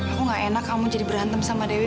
aku gak enak kamu jadi berantem sama dewi